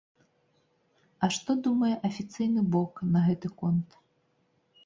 А што думае афіцыйны бок на гэты конт?